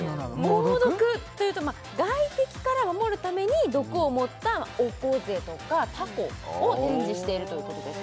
もうどくというと外敵から守るために毒をもったオコゼとかタコを展示してるということです